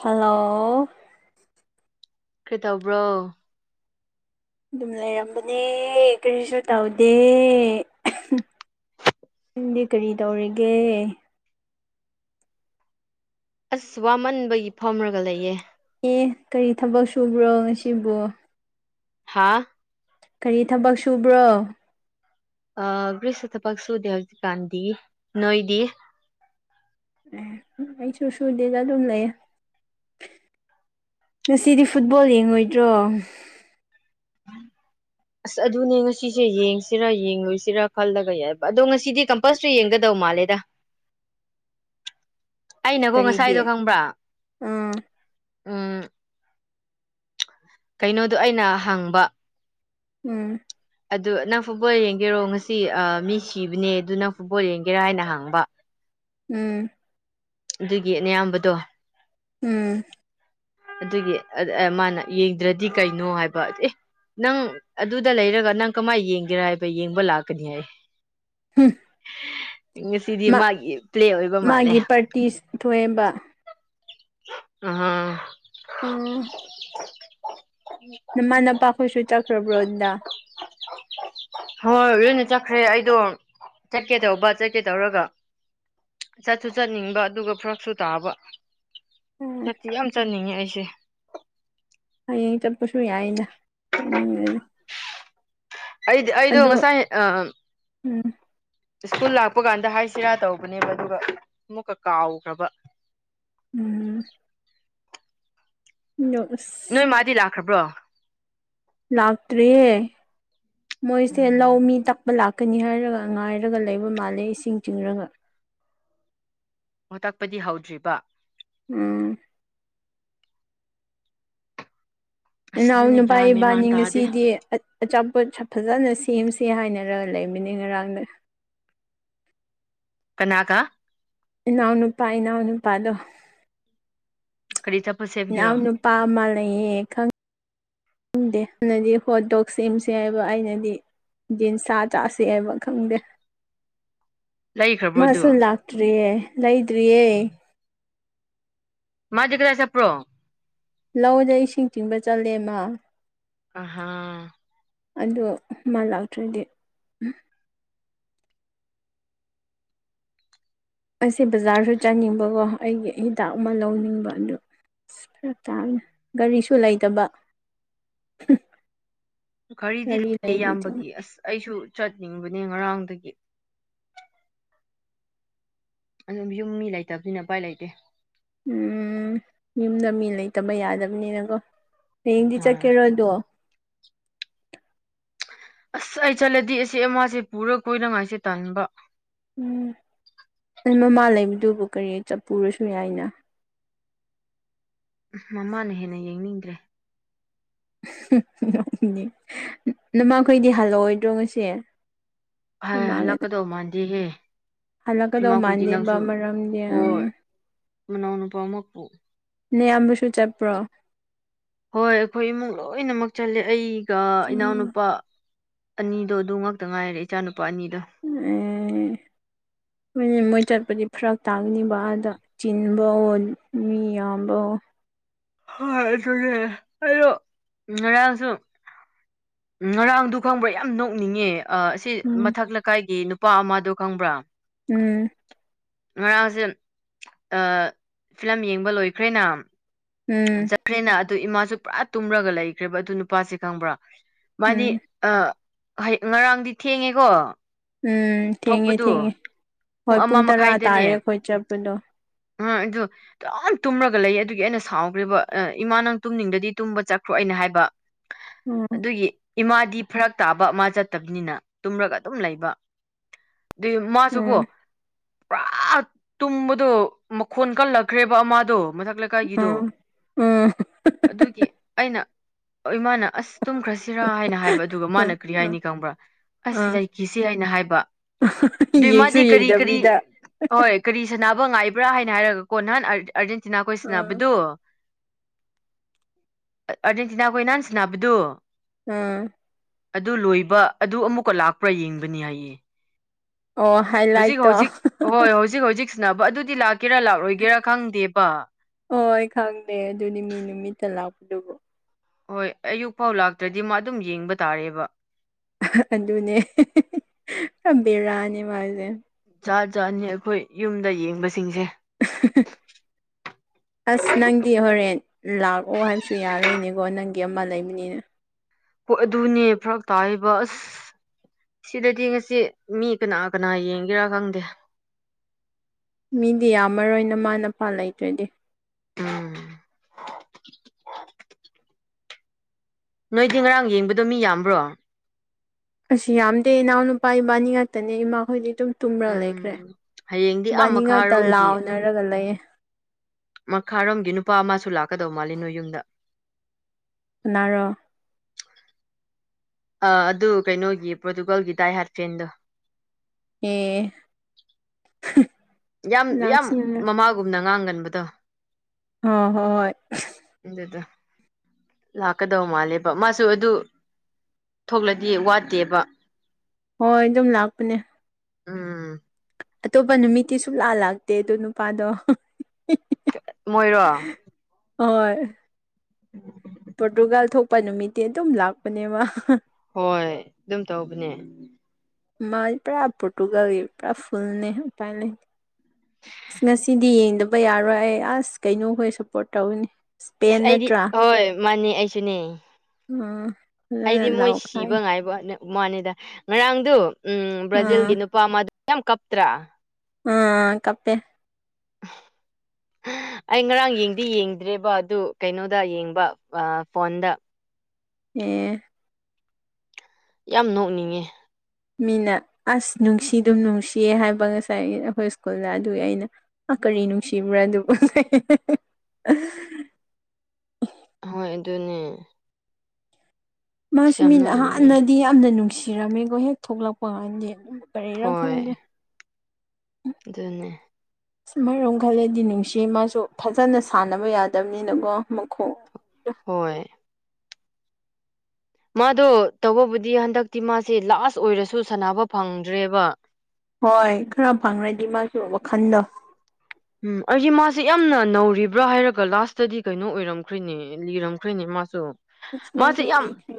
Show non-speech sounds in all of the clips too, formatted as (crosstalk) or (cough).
Hello ꯀꯩ ꯇꯧꯕ꯭ꯔꯣ ꯗꯨꯝ ꯂꯩꯔꯝꯕꯅꯦ ꯀꯔꯤꯁꯨ ꯇꯧꯗꯦ ꯅꯪꯗꯤ ꯀꯔꯤ ꯇꯧꯔꯤꯒꯦ ꯑꯁ ꯋꯃꯥꯟꯕꯒꯤ ꯐꯝꯔꯒ ꯂꯩꯌꯦ ꯑꯦ ꯀꯔꯤ ꯊꯕꯛ ꯁꯨꯕ꯭ꯔꯣ ꯉꯁꯤꯕꯨ ꯍꯥ ꯀꯔꯤ ꯊꯕꯛ ꯁꯨꯕ꯭ꯔꯣ ꯑ ꯀꯔꯤꯁꯨ ꯊꯕꯛ ꯁꯨꯗꯦ ꯍꯧꯖꯤꯛꯀꯥꯟꯗꯤ ꯅꯣꯏꯗꯤ ꯑꯦ ꯑꯩꯁꯨ ꯁꯨꯗꯦꯗꯥ ꯑꯗꯨꯝ ꯂꯩꯑꯦ ꯉꯁꯤꯗꯤ ꯐꯨꯠꯕꯣꯜ ꯌꯦꯡꯉꯣꯏꯗ꯭ꯔꯣ ꯑꯁ ꯑꯗꯨꯅꯦ ꯉꯁꯤꯁꯦ ꯌꯦꯡꯁꯤꯔꯥ ꯌꯦꯡꯔꯣꯏꯁꯤꯔꯥ ꯈꯜꯂꯒ ꯌꯥꯏꯕ ꯑꯗꯣ ꯉꯁꯤꯗꯤ ꯀꯝꯄꯜꯁ꯭ꯔꯤ ꯌꯦꯡꯒꯗꯧ ꯃꯥꯜꯂꯦꯗ ꯑꯩꯅꯀꯣ ꯀꯔꯤꯒꯤ ꯉꯁꯥꯏꯗꯣ ꯈꯪꯕ꯭ꯔꯥ ꯎꯝ ꯎꯝ꯫ ꯀꯩꯅꯣꯗꯣ ꯑꯩꯅ ꯍꯪꯕ ꯎꯝ꯫ ꯑꯗꯨ ꯅꯪ ꯐꯨꯠꯕꯣꯜ ꯌꯦꯡꯒꯦꯔꯣ ꯉꯁꯤ ꯑꯥ ꯃꯤ ꯁꯤꯕꯅꯦ ꯑꯗꯨ ꯅꯪ ꯐꯨꯠꯕꯣꯜ ꯌꯦꯡꯒꯦꯔꯥ ꯍꯥꯏꯅ ꯍꯪꯕ ꯎꯝ꯫ ꯑꯗꯨꯒꯤ ꯅꯌꯥꯝꯕꯗꯣ ꯎꯝ꯫ ꯑꯗꯨꯒꯤ ꯑꯥ ꯃꯥꯅ ꯌꯦꯡꯗ꯭ꯔꯥꯗꯤ ꯀꯩꯅꯣ ꯍꯥꯏꯕ ꯑꯦ ꯅꯪ ꯑꯗꯨꯗ ꯂꯩꯔꯒ ꯅꯪ ꯀꯃꯥꯏ ꯌꯦꯡꯒꯦꯔꯥ ꯍꯥꯏꯕ ꯌꯦꯡꯕ ꯂꯥꯛꯀꯅꯤ ꯍꯥꯏ ꯍꯨꯝ ꯉꯁꯤꯗꯤ ꯃꯥꯒꯤ ꯄ꯭ꯂꯦ ꯑꯣꯏꯕ ꯃꯥꯜꯂꯦ ꯄ꯭ꯔꯦꯛꯇꯤꯁ ꯊꫭꯛꯑꯦꯝꯕ ꯑꯍꯥ ꯑꯣ ꯅꯃꯥ ꯅꯄꯥꯈꯣꯏꯁꯨ ꯆꯠꯈ꯭ꯔꯥꯕ꯭ꯔꯣ ꯑꯟꯗꯥ (inaudible) ꯍꯣꯏ ꯂꯣꯏꯅ ꯆꯠꯈ꯭ꯔꯦ ꯑꯩꯗꯣ ꯆꯠꯀꯦ ꯇꯧꯕ ꯆꯠꯀꯦ ꯇꯧꯔꯒ ꯆꯠꯁꯨ ꯆꯠꯅꯤꯡꯕ ꯑꯗꯨꯒ ꯐ꯭ꯔꯛꯁꯨ ꯇꯥꯕ ꯎꯝ ꯆꯠꯇꯤ ꯌꯥꯝ ꯆꯠꯅꯤꯡꯉꯦ ꯑꯩꯁꯦ ꯍꯌꯦꯡ ꯆꯠꯄꯁꯨ ꯌꯥꯑꯦꯗ ꯆꯠꯅꯤꯡꯉꯗꯤ ꯑꯩꯗꯤ ꯑꯩꯗꯣ ꯑꯗꯣ ꯉꯁꯥꯏ ꯑ ꯎꯝ ꯁ꯭ꯀꯨꯜ ꯂꯥꯛꯄ ꯀꯥꯟꯗ ꯍꯥꯏꯁꯤꯔꯥ ꯇꯧꯕꯅꯦꯕ ꯑꯗꯨꯒ ꯑꯃꯨꯛꯀ ꯀꯥꯎꯈ꯭ꯔꯕ ꯎꯝ (unintelligible) ꯅꯣꯏ ꯃꯥꯗꯤ ꯂꯥꯛꯈ꯭ꯔꯕ꯭ꯔꯣ ꯂꯥꯛꯇ꯭ꯔꯤꯌꯦ ꯃꯣꯏꯁꯦ ꯂꯧ ꯎꯝ ꯃꯤ ꯇꯛꯄ ꯂꯥꯛ ꯀꯅꯤ ꯍꯥꯏꯔꯒ ꯉꯥꯏꯔꯒ ꯂꯩꯕ ꯃꯥꯜꯂꯦ ꯏꯁꯤꯡ ꯆꯤꯡꯔꯒ ꯍꯣꯇꯛꯄꯗꯤ ꯍꯧꯗ꯭ꯔꯤꯕ ꯎꯝ ꯑꯁ ꯏꯅꯥꯎ ꯑꯗꯨꯅ ꯅꯨꯄꯥ ꯒ꯭ꯌꯥꯟ ꯃꯦꯟꯃꯥꯟ ꯏꯕꯥꯅꯤ ꯇꯥꯗꯦ ꯉꯁꯤꯗꯤ ꯑꯆꯥꯄꯣꯠ ꯐꯖꯥꯅ ꯁꯦꯝꯁꯦ ꯍꯥꯏꯅꯔ ꯂꯩꯕꯅꯦ ꯉꯔꯥꯡꯗ ꯀꯅꯥꯒꯥ ꯏꯅꯥꯎ ꯅꯨꯄꯥ ꯏꯅꯥꯎ ꯅꯨꯄꯥꯗꯣ ꯀꯔꯤ ꯆꯥꯄꯥꯁꯦ ꯏꯅꯥꯎ ꯅꯨꯄꯥ ꯃ ꯂꯩꯌꯦ ꯈꯪ ꯏꯪꯗꯦ ꯑꯗꯨꯅꯗꯤ ꯍꯣꯠ ꯗꯣꯛ ꯁꯦꯝꯁꯦ ꯍꯥꯏꯕ ꯑꯩꯅꯗꯤ ꯌꯦꯟꯁꯥ ꯆꯥꯥꯁꯦ ꯍꯥꯏꯕ ꯈꯪꯗꯦ ꯂꯩꯈ꯭ꯔꯕ꯭ꯔꯣ ꯑꯗꯨ ꯃꯥꯁꯨ ꯂꯥꯛꯇ꯭ꯔꯤꯌꯦ ꯂꯩꯗ꯭ꯔꯤꯌꯦ ꯃꯥꯗꯤ ꯀꯔꯥꯏ ꯆꯠꯄ꯭ꯔꯣ ꯂꯧꯗ ꯏꯁꯤꯡ ꯆꯤꯡꯕ ꯆꯠꯂꯦ ꯃꯥ ꯑꯍꯥ ꯑꯗꯨ ꯃꯥ ꯂꯥꯛꯇ꯭ꯔꯗꯤ ꯑꯩꯁ ꯕꯖꯥꯔꯁꯨ ꯆꯥꯅꯤꯡꯕꯀꯣ ꯑꯩꯒꯤ ꯍꯤꯗꯥꯛ ꯑꯃ ꯂꯧꯅꯤꯡꯕ ꯑꯗꯨ ꯑꯁ ꯐꯔꯛ ꯇꯥꯕꯅꯦ ꯒꯥꯔꯤꯁꯨ ꯂꯩꯇꯕ ꯒꯥꯔꯤꯗꯤ ꯒꯥꯔꯤ ꯂꯩꯌꯦ ꯂꯩꯔꯤꯗꯤ ꯏꯌꯥꯝꯕꯒꯤ ꯑꯁ ꯑꯩꯁꯨ ꯆꯠꯅꯤꯡꯕꯅꯦ ꯉꯔꯥꯡꯗꯒꯤ ꯑꯗꯨꯝ ꯌꯨꯝ ꯃꯤ ꯂꯩꯇꯕꯅꯤꯅ ꯎꯄꯥꯏ ꯂꯩꯇꯦ ꯎꯝ ꯌꯨꯝꯗ ꯃꯤ ꯂꯩꯇꯕ ꯌꯥꯗꯕꯅꯤꯅꯀꯣ ꯍꯌꯦꯡꯗꯤ ꯑꯥ ꯆꯠꯀꯦꯔꯣꯗꯣ ꯑꯁ ꯑꯩ ꯆꯠꯂꯗꯤ ꯑꯁꯤ ꯃꯥꯁꯦ ꯄꯨꯔ ꯀꯣꯏꯅꯉꯥꯏꯁꯦ ꯇꯟꯕ ꯎꯝ ꯃꯃꯥ ꯂꯩꯕꯗꯨꯕꯨ ꯀꯔꯤ ꯆꯞꯄꯨꯔꯁꯨ ꯌꯥꯏꯅ ꯎ ꯃꯃꯥꯅ ꯍꯦꯟꯅ ꯌꯦꯡꯅꯤꯡꯗ꯭ꯔꯦ ꯅꯃꯈꯣꯏꯗꯤ ꯍꯜꯂꯛꯑꯣꯏꯗ꯭ꯔꯣ ꯉꯁꯤ ꯅꯃꯥꯒꯗ ꯍꯜꯂꯛꯀꯗꯧ ꯃꯥꯟꯗꯦꯍꯦ ꯍꯜꯂꯛꯀꯗꯧ ꯏꯃꯥꯈꯣꯏꯗꯤ ꯃꯥꯟꯗꯦꯕ ꯅꯪꯁꯨ ꯃꯔꯝꯗꯤ ꯎꯝ ꯍꯣꯏ ꯃꯅꯥꯎꯅꯨꯄꯥꯃꯛ ꯅꯌꯥꯝꯕꯁꯨ ꯆꯠꯄ꯭ꯔꯣ ꯍꯣꯏ ꯑꯩꯈꯣꯏ ꯏꯃꯨꯡ ꯂꯣꯏꯅꯃꯛ ꯆꯠꯂꯦ ꯑꯩꯒ ꯎꯝ ꯏꯅꯥꯎꯅꯨꯄꯥ__ ꯑꯅꯤꯗꯣ ꯑꯗꯨ ꯉꯥꯛꯇ ꯉꯥꯏꯔꯦ ꯏꯆꯥꯅꯨꯄꯥ ꯑꯅꯤꯗꯣ (unintelligible) ꯃꯣꯏ ꯆꯠꯄꯗꯤ ꯐꯔꯛ ꯇꯥꯒꯅꯤꯕ ꯑꯥꯗ ꯆꯤꯟꯕ꯭ꯔꯣ ꯃꯤ ꯌꯥꯝꯕꯑꯣ ꯍꯣꯏ ꯑꯗꯨꯅꯦ ꯑꯩꯗꯣ ꯉꯔꯥꯡꯁꯨ ꯉꯔꯥꯡꯗꯨ ꯈꯪꯕ꯭ꯔꯥ ꯌꯥꯝ ꯅꯣꯛꯅꯤꯡꯉꯦ ꯑ ꯑꯁꯤ ꯎꯝ ꯃꯊꯛ ꯂꯩꯀꯥꯏꯒꯤ ꯅꯨꯄꯥ ꯑꯃꯗꯣ ꯈꯪꯕ꯭ꯔꯥ ꯎꯝ ꯉꯔꯥꯡꯁꯦ ꯑꯥ ꯐꯤꯂꯝ ꯌꯦꯡꯕ ꯂꯣꯏꯈ꯭ꯔꯦꯅ ꯎꯝ ꯐ꯭ꯔꯦꯅ ꯑꯗꯨ ꯏꯃꯥꯁꯨ ꯄꯨꯔꯥ ꯇꯨꯝꯔꯒ ꯂꯩꯈ꯭ꯔꯦꯕ ꯑꯗꯨ ꯅꯨꯄꯥꯁꯦ ꯈꯪꯕ꯭ꯔꯥ ꯃꯥꯅꯤ ꯎꯝ ꯑ ꯉꯔꯥꯡꯗꯤ ꯊꯦꯡꯉꯦꯀꯣ ꯎꯝ ꯊꯦꯡꯉꯦ ꯊꯣꯛꯄꯗꯨ ꯊꯦꯡꯉꯦ ꯍꯣꯏ ꯄꯨꯡ ꯇꯔꯥ ꯇꯥꯔꯦ ꯑꯩꯈꯣꯏ ꯆꯠꯄꯗꯣ ꯍꫭꯏ ꯑꯗꯨ ꯑꯗꯝ ꯇꯨꯝꯃꯒ ꯂꯩ ꯑꯗꯨꯒꯤ ꯑꯩꯅ ꯁꯥꯎꯈ꯭ꯦꯔꯤꯕ ꯑ ꯏꯃꯥ ꯅꯪ ꯇꯨꯝꯅꯤꯡꯗꯗꯤ ꯇꯨꯝꯕ ꯆꯠꯈ꯭ꯔꯣ ꯑꯩꯅ ꯍꯥꯏꯕ (unintelligible) ꯑꯗꯨꯒꯤ ꯏꯃꯥꯗꯤ ꯐꯔꯛ ꯇꯥꯕ ꯃꯥ ꯆꯠꯇꯕꯅꯤꯅ ꯇꯨꯝꯔꯒ ꯑꯗꯨꯝ ꯂꯩꯕ ꯗꯨꯏ ꯃꯥꯁꯨ ꯎꯝ ꯑꯃꯨꯛ ꯄꯨꯔꯥ ꯇꯨꯝꯕꯗꯣ ꯃꯈꯣꯟ ꯀꯜꯂꯛꯈ꯭ꯔꯦꯕ ꯑꯃꯗꯣ ꯃꯊꯛ ꯂꯩꯀꯥꯏꯒꯤꯗꯣ ꯑꯥ ꯎꯝ ꯑꯗꯨꯒꯤ ꯑꯩꯅ ꯏꯃꯥꯅ ꯑꯁ ꯇꯨꯝꯈ꯭ꯔꯁꯤꯔꯥ ꯍꯥꯏꯅ ꯍꯥꯏꯕ ꯑꯗꯨꯒ ꯃꯥꯅ ꯀ꯭ꯔꯤ ꯑꯥ ꯍꯥꯏꯅꯤ ꯈꯪꯕ꯭ꯔꯥ ꯑꯁ ꯑꯥ ꯂꯩꯈꯤꯁꯤ ꯍꯥꯏꯅ ꯍꯥꯏꯕ ꯑꯗꯨꯏ ꯌꯦꯡꯁꯨ ꯃꯥꯗꯤ ꯀꯔꯤ ꯀꯔꯤ ꯌꯦꯡꯗꯕꯤꯗ ꯍꯣꯏ ꯀꯔꯤ ꯁꯥꯟꯅꯕ ꯉꯥꯏꯕ꯭ꯔꯥ ꯍꯥꯏꯅ ꯍꯥꯏꯔꯒꯀꯣ ꯅꯍꯥꯟ ꯑꯥꯔꯖꯦꯟꯇꯤꯅꯥ ꯈꯣꯏ ꯑꯥ ꯁꯥꯟꯅꯕꯗꯨ ꯑꯥꯔꯖꯦꯟꯇꯤꯅꯥ ꯈꫭꯏ ꯅꯍꯥꯟ ꯁꯥꯟꯅꯕꯗꯨ ꯎꯝ ꯑꯗꯨ ꯂꯣꯏꯕ ꯑꯗꯨ ꯑꯃꯨꯛꯀ ꯂꯥꯛꯄ꯭ꯔꯥ ꯌꯦꯡꯕꯅꯤ ꯍꯥꯏꯌꯦ ꯑꯣ ꯍꯥꯏ ꯂꯥꯏꯠꯇꯣ ꯗꯤ ꯍꯧꯖꯤꯛꯁꯥꯟꯅꯕ ꯑꯗꯨꯗꯤ ꯂꯥꯛꯀꯦꯔꯥ ꯂꯥꯛꯂꯣꯏꯒꯦꯔꯥ ꯈꯪꯗꯦꯕ ꯍꯣꯏ ꯈꯪꯗꯦ ꯑꯗꯨꯗꯤ ꯃꯤ ꯅꯨꯃꯤꯠꯇ ꯂꯥꯛꯄꯗꯨꯕꯨ ꯍꯣꯏ ꯑꯌꯨꯛ ꯐꯥꯎ ꯂꯥꯛꯇ꯭ꯔꯗꯤ ꯃꯥ ꯑꯗꯨꯝ ꯌꯦꯡꯕ ꯇꯥꯔꯦꯕ ꯑꯗꯨꯅꯦ ꯕꯦꯔꯥꯅꯦ ꯃꯥꯁꯦ ꯖꯥꯠ ꯖꯥꯠꯅꯤ ꯑꯩꯈꯣꯏ ꯌꯨꯝꯗ ꯌꯦꯡꯕꯁꯤꯡꯁꯦ ꯑꯁ ꯅꯪꯗꯤ ꯍꯣꯔꯦꯟ ꯂꯥꯛꯑꯣ ꯍꯥꯏꯕꯁꯨ ꯌꯥꯔꯣꯏꯅꯦꯀꯣ ꯅꯪꯒꯤ ꯑꯃ ꯂꯩꯕꯅꯤꯅ꯫ ꯄꫭ ꯑꯗꯨꯅꯦ ꯐꯔꯛ ꯇꯥꯏꯌꯦꯕ ꯑꯁ ꯁꯤꯗꯗꯤ ꯉꯁꯤ ꯃꯤ ꯀꯅꯥ ꯀꯅꯥ ꯌꯦꯡꯒꯦꯔꯥ ꯈꯪꯗꯦ꯫ ꯃꯤꯗꯤ ꯌꯥꯝꯃꯔꯣꯏ ꯅꯃꯥ ꯅꯄꯥ ꯂꯩꯇ꯭ꯔꯥꯗꯤ꯫ ꯎꯝ ꯅꯣꯏꯗꯤ ꯉꯔꯥꯡ ꯌꯦꯡꯕꯗꯣ ꯃꯤ ꯌꯥꯝꯕ꯭ꯔꯣ꯫ ꯑꯁ ꯌꯥꯝꯗꯦ ꯏꯅꯥꯎ ꯅꯨꯄꯥ ꯏꯕꯥꯅꯤ ꯉꯥꯛꯇꯅꯦ ꯏꯃꯥꯍꯣꯏꯗꯤ ꯑꯗꯨꯝ ꯇꯨꯝꯔ ꯂꯩꯈ꯭ꯔꯦ ꯎꯝ ꯍꯌꯦꯡꯗꯤ ꯑꯥ ꯏꯕꯥꯅꯤ ꯉꯥꯛꯇ ꯃꯈꯥꯔꯣꯝꯒꯤ ꯂꯥꯎꯅꯔꯒ ꯂꯩꯌꯦ꯫ ꯃꯈꯥꯔꯣꯝꯒꯤ ꯅꯨꯄꯥ ꯑꯃꯁꯨ ꯂꯥꯛꯀꯗꯧ ꯃꯥꯜꯂꯤ ꯅꯣꯏ ꯌꯨꯝꯗ꯫ ꯀꯅꯔꯣ ꯑꯥ ꯑꯗꯨ ꯀꯩꯅꯣꯒꯤ ꯄꯣꯔꯇꯨꯒꯥꯜꯒꯤ ꯗꯥꯏ ꯍꯥꯠꯐꯦꯟꯗꯣ꯫ ꯑꯦ ꯌꯥꯝ ꯌꯥꯝ ꯂꯥꯛꯁꯤꯅ ꯃꯃꯥꯒꯨꯝꯅ ꯉꯥꯡꯒꯟꯕꯗꯣ꯫ ꯑꯣ ꯍꯣꯏ ꯑꯗꯨꯗꫭ ꯂꯥꯛꯀꯗꯧ ꯃꯥꯜꯂꯦꯕ ꯃꯥꯁꯨ ꯑꯗꯨ ꯊꯣꯛꯂꯗꯤ ꯋꯥꯠꯇꯦꯕ ꯍꯣꯏ ꯑꯗꯨꯝ ꯂꯥꯛꯄꯅꯦ꯫ ꯎꯝ ꯑꯇꯣꯞꯄ ꯅꯨꯃꯤꯠꯇꯤ ꯁꯨꯡꯂꯥ ꯂꯥꯛꯇꯦ ꯑꯗꯨ ꯅꯨꯄꯥꯗꯣ꯫ ꯃꯣꯏꯔꯣ ꯍꯣꯏ (inaudible) ꯄꯣꯔꯇꯨꯒꯥꯜ ꯊꯣꯛꯄ ꯅꯨꯃꯤꯠꯇꯤ ꯑꯗꯨꯝ ꯂꯥꯛꯄꯅꯦꯕ꯫ ꯍꯣꯏ ꯑꯗꯨꯝ ꯇꯧꯕꯅꯦ꯫ ꯃꯥꯏ ꯄꯨꯔꯥ ꯄꯣꯔꯇꯨꯒꯜꯒꯤ ꯄꯨꯔꯥ ꯐꯨꯜꯅꯦ ꯎꯄꯥꯏ ꯂꯩ ꯑꯁ ꯉꯁꯤꯗꯤ ꯌꯦꯡꯗꯕ ꯌꯥꯔꯣꯏ ꯑꯩ ꯑꯁ ꯀꯩꯅꯣꯈꯣꯏ ꯁꯞꯄꯣꯔꯠ ꯇꯧꯒꯅꯤ ꯑꯁ ꯑꯩꯗꯤ ꯍꯣꯏ ꯃꯥꯟꯅꯦ ꯑꯩꯁꯨꯅꯦ ꯎꯝ ꯑꯩꯗꯤ ꯃꯣꯏ ꯁꯤꯕ ꯉꯥꯏꯕꯅꯦ ꯃꯥꯅꯤꯗ ꯉꯔꯥꯡꯗꯨ ꯎꯝ ꯑꯥ ꯕ꯭ꯔꯥꯖꯤꯜꯒꯤ ꯅꯨꯄꯥ ꯑꯃꯗꯨ ꯌꯥꯝ ꯀꯞꯇ꯭ꯔꯥ ꯑꯥ ꯀꯞꯄꯦ (inaudible) ꯑꯩ ꯉꯔꯥꯡ ꯌꯦꯡꯗꯤ ꯌꯦꯡꯗ꯭ꯔꯦꯕ ꯑꯗꯨ ꯀꯩꯅꯣꯗ ꯌꯦꯡꯕ ꯑ ꯐꯣꯟꯗ ꯑꯦ ꯌꯥꯝ ꯅꯣꯛꯅꯤꯡꯉꯦ ꯃꯤꯅ ꯑꯁ ꯅꯨꯡꯁꯤꯗꯨꯝ ꯅꯨꯡꯁꯤꯌꯦ ꯍꯥꯏꯕ ꯉꯁꯥꯏꯒꯤ ꯑꯈꯣꯏ ꯁ꯭ꯀꯨꯜꯗ ꯑꯗꯨꯒꯤ ꯑꯩꯅ ꯑ ꯀꯔꯤ ꯅꯨꯡꯁꯤꯕ꯭ꯔꯥ ꯑꯗꯨꯕꯨ ꯍꯣꯏ ꯑꯗꯨꯅꯦ ꯃꯥꯁꯨ ꯑꯁ ꯌꯥꯝ ꯃꯤꯅ ꯅꯣꯛꯅꯤꯡꯉꯦ ꯑꯍꯥꯟꯅꯗꯤ ꯌꯥꯝꯅ ꯅꯨꯡꯁꯤꯔꯝꯃꯦꯀꯣ ꯍꯦꯛ ꯊꯣꯛꯂꯛꯄ ꯀꯥꯟꯗꯗꯤ ꯀꯔꯤꯔ ꯍꯣꯏ ꯈꯪꯗꯦ ꯑꯗꯨꯅꯦ ꯁꯨꯃꯥꯏꯅ ꯃꯨꯛ ꯈꯜꯂꯗꯤ ꯅꯨꯡꯁꯤꯌꯦ ꯃꯥꯁꯨ ꯐꯖꯅ ꯁꯥꯟꯅꯕ ꯌꯥꯗꯝꯅꯤꯅꯀꯣ ꯃꯈꯣꯡ ꯍꯣꯏ ꯃꯥꯗꯣ ꯇꯧꯕꯕꯨꯗꯤ ꯍꯟꯗꯛꯇꯤ ꯃꯥꯁꯦ ꯂꯥꯁ ꯑꯣꯏꯔꯁꯨ ꯁꯥꯟꯅꯕ ꯐꯪꯗ꯭ꯔꯦꯕ ꯍꯣꯏ ꯈꯔ ꯐꯪꯔꯗꯤ ꯃꯥꯁꯨ ꯋꯥꯈꯟꯗꯣ ꯎꯝ ꯑꯩꯒꯤ ꯃꯥꯁꯦ ꯌꯥꯝꯅ ꯅꯧꯔꯤꯕ꯭ꯔꯥ ꯍꯥꯏꯔꯒ ꯂꯥꯁꯇꯗꯤ ꯀꯩꯅꯣ ꯑꯣꯏꯔꯝꯈ꯭ꯔꯦꯅꯦ ꯂꯤꯔꯝꯈ꯭ꯔꯦꯅꯦ ꯃꯥꯁꯨ ꯑꯁ ꯃꯥꯁꯦ ꯅꯪꯁꯨ ꯌꯥꯝ ꯂꯩꯈ꯭ꯔꯦ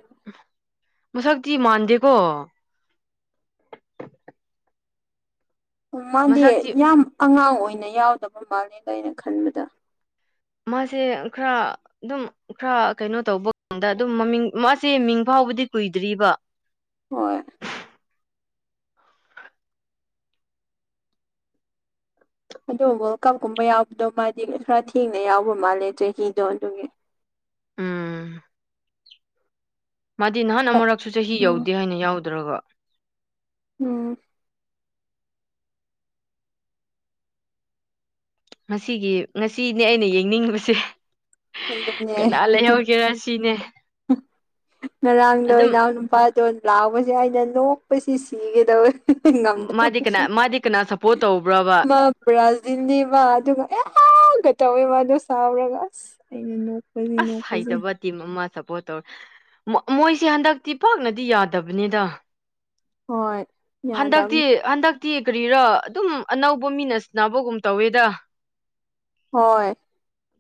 ꯃꯁꯛꯇꯤ ꯃꯥꯟꯗꯦꯀꯣ ꯎꯝ ꯃꯥꯗꯤ ꯃꯁꯛꯇꯤ ꯌꯥꯝ ꯑꯉꯥꯡ ꯑꯣꯏꯅ ꯌꯥꯎꯗꯕ ꯃꯥꯜꯂꯤꯗ ꯑꯩꯅ ꯈꯟꯕꯗ ꯃꯥꯁꯦ ꯈꯔ ꯑꯗꯨꯝ ꯈꯔ ꯀꯩꯅꯣ ꯇꯧꯕꯀꯟꯗ ꯑꯗꯨꯝ ꯃꯃꯤꯡ ꯃꯥꯁꯦ ꯃꯤꯡ ꯐꯥꯎꯕꯗꯤ ꯀꯨꯏꯗ꯭ꯔꯤꯕ ꯍꯣꯏ ꯑꯗꯣ ꯋꯥ꯭ꯔꯜꯀꯞ ꯀꯨꯝꯕ ꯌꯥꯎꯕꯗꯣ ꯃꯥꯗꯤ ꯈꯔ ꯊꯦꯡꯅ ꯌꯥꯎꯕ ꯃꯥꯜꯂꯦ ꯆꯍꯤꯗꯣ ꯑꯗꯨꯒꯤ ꯎꯝ ꯃꯥꯗꯤ ꯅꯍꯥꯟ ꯑꯃꯨꯔꯛꯁꯨ ꯆꯍꯤ ꯌꯧꯗꯦ ꯎꯝ ꯍꯥꯏꯅ ꯌꯥꯎꯗ꯭ꯔꯒ ꯎꯝ ꯉꯁꯤꯒꯤ ꯉꯁꯤꯅꯦ ꯑꯩꯅ ꯌꯦꯡꯅꯤꯡꯕꯁꯦ ꯑꯗꯨꯝꯅꯦ ꯀꯅꯥ ꯂꯩꯍꯧꯒꯦꯔꯥ ꯁꯤꯅꯦ ꯉꯔꯥꯡꯗꯣ ꯑꯗꯨꯝ ꯏꯅꯥꯎ ꯅꯨꯄꯥ ꯗꯣ ꯂꯥꯎꯕꯁꯦ ꯑꯩꯅ ꯅꯣꯛꯄꯁꯤ ꯁꯤꯒꯗꯧꯋꯦ ꯃꯥꯗꯤ ꯉꯝꯗꯕꯒꯤ ꯀꯅꯥ ꯃꯥꯗꯤ ꯀꯅꯥ ꯁꯞꯄꯣꯔꯠ ꯇꯧꯕ꯭ꯔꯕ ꯃꯥ ꯕ꯭ꯔꯥꯖꯤꯟꯅꯦꯕ ꯑꯗꯨꯒ ꯑꯦ ꯀ ꯇꯧꯋꯦ ꯃꯗꯣ ꯁꯥꯎꯔꯒ ꯑꯁ ꯑꯩꯅ ꯅꯣꯛ ꯑꯁ ꯍꯩꯇꯕ ꯇꯤꯝ ꯑꯃ ꯁꯞꯄꯣꯔꯠ ꯇꯧꯋꯦ ꯃꯥ ꯃꯣꯏꯁꯦ ꯍꯟꯗꯛꯇꯤ ꯄꯥꯛꯅꯗꯤ ꯌꯥꯗꯕꯅꯤꯗ ꯍꯣꯏ ꯍꯟꯗꯛꯇꯤ ꯌꯥꯗꯕꯅꯤ ꯍꯟꯗꯛꯇꯤ ꯀꯔꯤꯔꯥ ꯑꯗꯨꯝ ꯑꯅꯧꯕ ꯃꯤꯅ ꯁꯟꯅꯕꯒꯨꯝ ꯇꯧꯋꯦꯗ ꯍꯣꯏ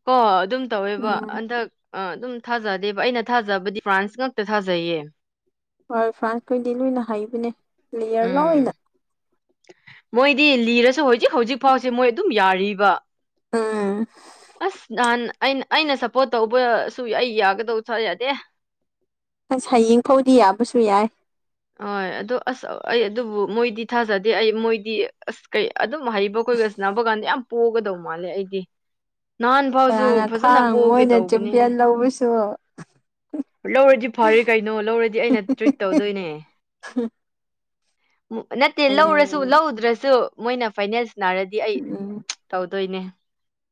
ꯀꯣ ꯑꯗꯨꯝ ꯇꯧꯋꯦꯕ ꯎꯝ ꯍꯟꯗꯛ ꯑ ꯑꯗꯨꯝ ꯊꯥꯖꯗꯦꯕ ꯑꯩꯅ ꯊꯥꯖꯕꯗꯤ ꯐ꯭ꯔꯥꯟꯁ ꯉꯛꯇ ꯊꯥꯖꯩꯌꯦ ꯍꯣꯏ ꯐꯥꯔꯟꯁ ꯈꯣꯏꯗꯤ ꯂꯣꯏꯅ ꯍꯩꯕꯅꯦ ꯄ꯭ꯂꯦꯌꯔ ꯂꯣꯏ ꯎꯝ ꯑꯣꯏꯅ ꯃꯣꯏꯗꯤ ꯂꯤꯔꯁꯨ ꯍꯧꯖꯤꯛ ꯍꯧꯖꯤꯛ ꯐꯥꯎꯁꯦ ꯃꯣꯏ ꯑꯗꯨꯝ ꯌꯥꯔꯤꯕ ꯑꯝ ꯑꯁ ꯅꯍꯥꯟ ꯑꯩꯅ ꯑꯩꯅ ꯁꯞꯄꯣꯔꯠ ꯇꯧꯕꯁꯨ ꯑꯩ ꯌꯥꯒꯗꯧ ꯌꯥꯗꯦ ꯍꯌꯦꯡ ꯐꯧꯗꯤ ꯌꯥꯕꯨꯁꯨꯨ ꯌꯥꯏ ꯍꯣꯏ ꯑꯗꯣ ꯑꯁ ꯑꯩ ꯑꯗꯨꯕꯨ ꯃꯣꯏꯗꯤ ꯊꯥꯖꯗꯦ ꯑꯩ ꯃꯣꯏꯗꯤ ꯑꯁ ꯀꯩ ꯑꯗꯨꯝ ꯍꯩꯕ ꯈꯣꯏꯒꯁꯅꯕ ꯀꯥꯟꯗ ꯌꯥꯝ ꯄꯣꯒꯗꯧ ꯃꯥꯜꯂꯦ ꯑꯩꯒꯤ ꯅꯍꯥꯟ ꯐꯥꯎꯁꯨ ꯀꯅꯥꯅ ꯐꯖꯅ ꯈꯥꯡ ꯄꯣꯛꯒꯦ ꯃꯣꯏꯅ ꯇꯧꯕꯅꯦꯍꯦ ꯆꯦꯝꯄꯤꯌꯟ ꯂꯧꯕꯁꯨ ꯂꯧꯔꯗꯤ ꯐꯔꯦ ꯀꯩꯅꯣ ꯂꯧꯔꯗꯤ ꯑꯩꯅ ꯇ꯭ꯔꯤꯠ ꯇꯧꯗꯣꯏꯅꯦ ꯅꯠꯇꯦ ꯑꯩꯅ ꯂꯧꯔꯁꯨ ꯂꯧꯗ꯭ꯔꯁꯨ ꯃꯣꯏꯅ ꯐꯥꯏꯅꯦꯜ ꯁꯅꯥꯔꯗꯤ ꯑꯩ ꯎꯝ ꯇꯧꯗꯣꯏꯅꯦ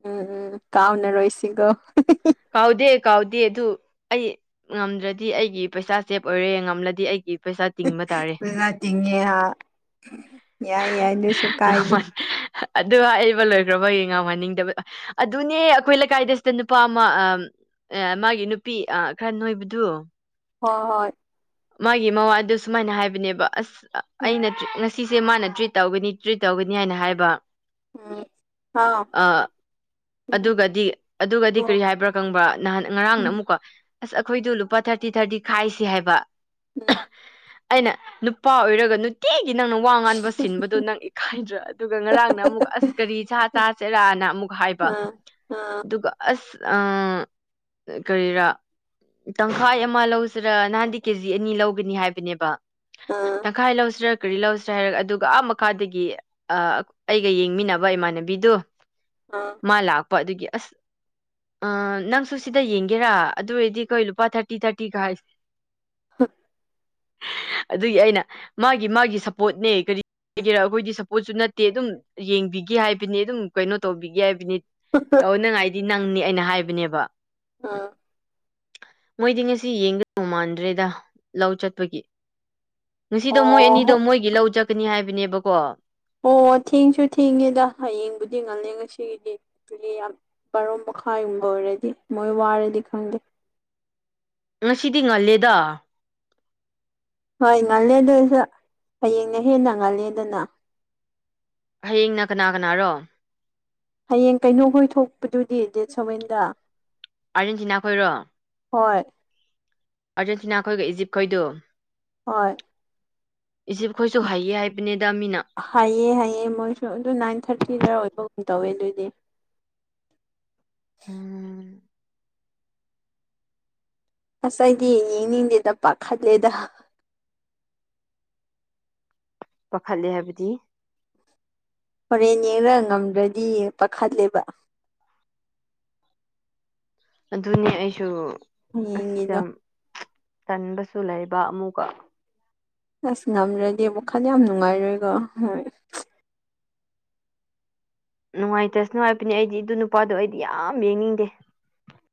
ꯎꯝ ꯎꯝ ꯀꯥꯎꯅꯔꯣꯏꯁꯤꯒꯣ ꯀꯥꯎꯗꯦ ꯀꯥꯎꯗꯦ ꯗꯨ ꯑꯩꯌꯦ ꯉꯝꯗ꯭ꯔꯗꯤ ꯑꯩꯒꯤ ꯄꯩꯁꯥ ꯁꯦꯞ ꯑꯣꯏꯔꯦ ꯉꯝꯂꯗꯤ ꯑꯩꯒꯤ ꯄꯩꯁꯥ ꯇꯤꯡꯕ ꯇꯥꯔꯦ ꯑꯗꯨꯅ ꯇꯤꯡꯉꯦ ꯍꯥ ꯌꯥꯏ ꯌꯥꯏ ꯑꯗꯨꯏꯁꯨ ꯀꯥꯏꯗꯦ ꯑꯗꯨꯒ ꯍꯥꯏꯕ ꯂꯣꯏꯈ꯭ꯔꯕ ꯌꯦ ꯉꯝꯍꯟꯅꯤꯡꯗꯕ ꯑꯗꯨꯅꯦ ꯑꯩꯈꯣꯏ ꯂꯩꯀꯥꯏꯗꯁꯨ ꯅꯨꯄꯥ ꯑꯃ ꯑꯦ ꯃꯥꯒꯤ ꯅꯨꯄꯤ ꯑꯥ ꯈꯔ ꯅꯣꯏꯕꯗꯨ ꯍꯣ ꯍꯣꯏ ꯃꯥꯒꯤ ꯃꯋꯥ ꯑꯗꯨ ꯁꯨꯃꯥꯏꯅ ꯍꯥꯏꯕꯅꯦꯕ ꯑꯁ ꯎꯝ ꯑꯩꯅ ꯆꯨꯛ ꯅ ꯁꯤꯁꯦ ꯃꯥꯅ ꯇ꯭ꯔꯤꯠ ꯇꯧꯒꯅꯤ ꯇ꯭ꯔꯤꯠ ꯇꯧꯒꯅꯤ ꯍꯥꯏꯅ ꯍꯥꯏꯕ ꯎꯝ ꯍꯥꯎ ꯑ ꯑꯗꯨꯒꯗꯤ ꯑꯗꯨꯒꯗꯤ ꯎꯝ ꯀꯔꯤ ꯍꯥꯏꯕ꯭ꯔꯥ ꯈꯪꯕ꯭ꯔꯥ ꯅꯍꯥꯟ ꯉꯔꯥꯡꯅ ꯑꯃꯨꯛꯀꯣ ꯑꯁ ꯑꯩꯈꯣꯏꯗꯣ ꯂꯨꯄꯥ ꯊꯥꯔꯇꯤ ꯊꯥꯔꯇꯤ ꯈꯥꯏꯁꯤ ꯍꯥꯏꯕ ꯎꯝ ꯑꯩꯅ ꯅꯨꯄꯥ ꯑꯣꯏꯔꯒ ꯅꯨꯠ ꯏꯦꯒꯤ ꯅꯪꯅ ꯋꯥ ꯉꯥꯟꯕ ꯁꯤꯟꯕꯗꯣ ꯅꯪ ꯏꯈꯥꯏꯗ꯭ꯔꯣ ꯑꯗꯨꯒ ꯉꯔꯥꯡꯅ ꯑꯃꯨꯛ ꯑꯁ ꯀꯔꯤ ꯁꯥ ꯆꯥꯁꯦꯔꯥꯅ ꯑꯃꯨꯛ ꯍꯥꯏꯕ ꯎꯝ ꯑꯥ ꯑꯥ ꯑꯗꯨꯒ ꯑꯁ ꯑ ꯀꯔꯤꯔꯥ ꯇꯪꯈꯥꯏ ꯑꯃ ꯂꯧꯁꯤꯔ ꯅꯍꯥꯟꯗꯤ ꯀꯦꯖꯤ ꯑꯅꯤ ꯂꯧꯒꯅꯤ ꯍꯥꯏꯕꯅꯦꯕ ꯑꯥ ꯇꯪꯈꯥꯏ ꯂꯧꯁꯤꯔꯥ ꯀꯔꯤ ꯂꯧꯁꯤꯔꯥ ꯍꯥꯏꯔꯒ ꯑꯗꯨꯒ ꯑꯥ ꯃꯈꯥꯗꯒꯤ ꯑ ꯑꯩꯒ ꯌꯦꯡꯃꯤꯟꯅꯕ ꯏꯃꯥꯟꯅꯕꯤꯗꯨ ꯑ ꯃꯥ ꯂꯥꯛꯄ ꯑꯗꯨꯒꯤ ꯑꯁ ꯑ ꯅꯪꯁꯨ ꯁꯤꯗ ꯌꯦꯡꯒꯦꯔꯥ ꯑꯗꯨ ꯑꯣꯏꯔꯗꯤ ꯀꯈꯣꯏ ꯂꯨꯄꯥ ꯊꯥꯔꯇꯤ ꯊꯥꯔꯇꯤ ꯈꯥꯏ (unintelligible) ꯑꯗꯨꯒꯤ ꯑꯩꯅ ꯃꯥꯒꯤ ꯃꯥꯒꯤ ꯁꯞꯄꯣꯔꯠꯅꯦ ꯀꯔꯤ ꯀꯒꯦꯔꯥ ꯑꯩꯈꯣꯏꯗꯤ ꯁꯞꯄꯣꯠꯁꯨ ꯅꯠꯇꯦ ꯑꯗꯨꯝ ꯌꯦꯡꯕꯤꯒꯦ ꯍꯥꯏꯕꯅꯤ ꯑꯗꯨꯝ ꯀꯩꯅꯣ ꯇꯧꯕꯤꯒꯦ ꯍꯥꯏꯕꯅꯤ ꯇꯧꯅꯉꯥꯏꯗꯤ ꯅꯪꯅꯤ ꯑꯩꯅ ꯍꯥꯏꯕꯅꯦꯕ ꯑ ꯃꯣꯏꯗꯤ ꯉꯁꯤ ꯌꯦꯡꯒꯧ ꯃꯥꯟꯗ꯭ꯔꯦꯗ ꯂꯧ ꯆꯠꯄꯒꯤ ꯉꯁꯤꯗꯣ ꯃꯣꯏ ꯑꯣ ꯑꯅꯤꯗꯣ ꯍꯣ ꯃꯣꯏꯒꯤ ꯂꯧ ꯆꯠꯀꯅꯤ ꯍꯥꯏꯕꯅꯦꯕꯀꯣ ꯑꯣ ꯊꯦꯡꯁꯨ ꯊꯦꯡꯉꯦꯗ ꯍꯌꯦꯡꯕꯨꯗꯤ ꯉꯜꯂꯦ ꯉꯁꯤꯒꯤꯗꯤ ꯑꯗꯨꯗꯤ ꯌꯥꯝ ꯕꯥꯔꯣ ꯃꯈꯥꯏ ꯌꯨꯝꯕ ꯑꯣꯏꯔꯗꯤ ꯃꯣꯏ ꯋꯥꯔꯗꯤ ꯈꯪꯗꯦ ꯉꯁꯤꯗꯤ ꯉꯜꯂꯦꯗ ꯍꯣꯏ ꯉꯜꯂꯦ ꯑꯗꯨꯁꯨ ꯍꯌꯦꯡꯅ ꯍꯦꯟꯅ ꯉꯜꯂꯦꯗꯅ ꯍꯌꯦꯡꯅ ꯀꯅꯥ ꯀꯅꯥꯔꯣ ꯍꯌꯦꯡ ꯀꯩꯅꯣ ꯍꯣꯏ ꯊꯣꯛꯄꯗꯨꯗꯤ ꯗꯦꯠ ꯁꯚꯦꯟꯗ ꯑꯥꯔꯖꯦꯟꯇꯤꯅꯥ ꯈꯣꯏꯔꯣ ꯍꯣꯏ ꯑꯥꯔꯖꯦꯟꯇꯤꯅꯥ ꯈꯣꯏꯒ ꯏꯖꯤꯞ ꯈꯣꯏꯗꯣ ꯍꯣꯏ ꯏꯖꯤꯞ ꯈꯣꯏꯁꯨ ꯍꯩꯌꯦ ꯍꯥꯏꯕꯅꯦꯗ ꯃꯤꯅ ꯍꯥꯏꯌꯦ ꯍꯥꯏꯌꯦ ꯃꯣꯏꯁꯨ ꯑꯗꯨ ꯅꯥꯏꯟ ꯊꯥꯔꯇꯤꯗ ꯑꯣꯏꯕꯒꯨꯝ ꯇꯧꯋꯦ ꯑꯗꯨꯗꯤ ꯎꯝ ꯑꯁ ꯑꯩꯗꯤ ꯌꯦꯡꯅꯤꯡꯗꯦꯗ ꯄꯥꯈꯠꯂꯦꯗ ꯄꯥꯈꯠꯂꯦ ꯍꯥꯏꯕꯗꯤ ꯍꯣꯔꯦꯟ ꯌꯦꯡꯔꯒ ꯉꯝꯗ꯭ꯔꯗꯤ ꯄꯥꯈꯠꯂꯦꯕ ꯑꯗꯨꯅꯤ ꯑꯩꯁꯨ ꯑꯁ ꯍꯌꯦꯡꯒꯤꯗꯣ ꯌꯥꯝ ꯇꯟꯕꯁꯨ ꯂꯩꯕ ꯑꯃꯨꯛꯀ ꯑꯁ ꯉꯝꯂꯗꯤ ꯋꯥꯈꯜ ꯌꯥꯝ ꯅꯨꯡꯉꯥꯏꯔꯣꯏꯀꯣ ꯍꯣꯏ ꯅꯨꯡꯉꯥꯏꯇꯥꯁꯅꯨ ꯍꯥꯏꯕꯅꯦ ꯑꯩꯗꯤ ꯑꯗꯨ ꯅꯨꯄꯥꯗꯣ ꯑꯩꯗꯤ ꯌꯥꯝ ꯌꯦꯡꯅꯤꯡꯗꯦ